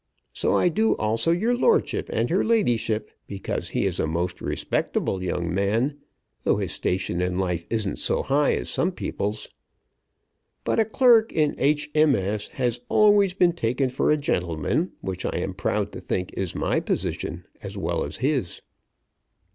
So I do also your lordship and her ladyship, because he is a most respectable young man, though his station in life isn't so high as some people's. But a clerk in H. M. S. has always been taken for a gentleman which I am proud to think is my position as well as his.